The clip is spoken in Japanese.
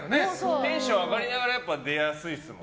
テンション上がりながら出やすいですもんね。